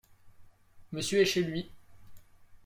Monsieur est chez lui.